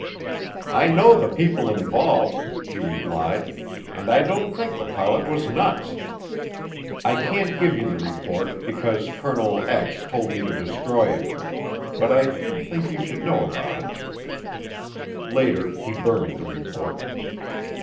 "I know the people involved," he replied, "and I don't think the pilot was nuts. I can't give you the report, because Colonel told me to destroy it. But I did think you should know about it." Later he burned the report.